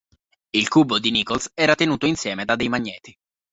Il cubo di Nichols era tenuto insieme da dei magneti.